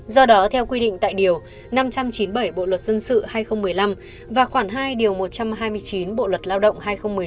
do đó theo quy định tại điều năm trăm chín mươi bảy bộ luật dân sự hai nghìn một mươi năm và khoảng hai điều một trăm hai mươi chín bộ luật lao động hai nghìn một mươi năm